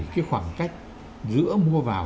cái khoảng cách giữa mua vào